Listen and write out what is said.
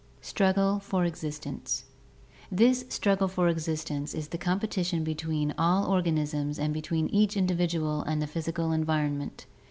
Struggle for Existence.— This struggle for existence is the competition between all organisms and between each individual and the physical environment.